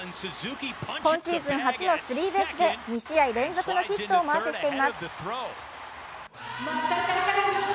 今シーズン初のスリーベースで２試合連続のヒットをマークしています。